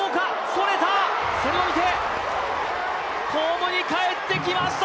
それたそれを見てホームにかえってきました